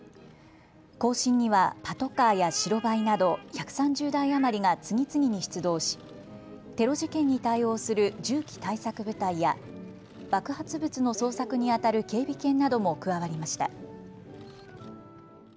行進にはパトカーや白バイなど１３０台余りが次々に出動しテロ事件に対応する銃器対策部隊や爆発物の捜索にあたる警備犬なども加わりました。